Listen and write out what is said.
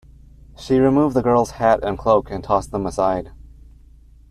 She removed the girl's hat and cloak and tossed them aside.